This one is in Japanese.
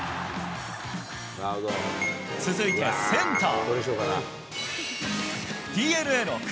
続いてセンター。